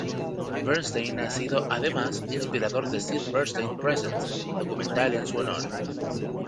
Bernstein ha sido, además, inspirador de "Sid Bernstein Presents", documental en su honor.